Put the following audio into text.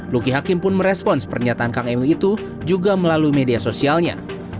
luki hakim pun merespons pernyataan kang emil itu juga melalui media sosialnya